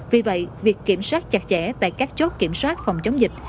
vì vậy việc kiểm soát chặt chẽ tại các chốt kiểm soát phòng chống dịch